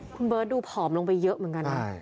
คุณเบิร์ตดูผอมลงไปเยอะเหมือนกันนะ